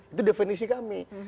itu definisi kami